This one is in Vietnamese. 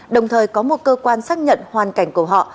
đồng thời có một cơ quan xác nhận hoàn cảnh của họ